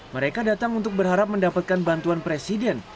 mereka datang untuk berharap mendapatkan bantuan presiden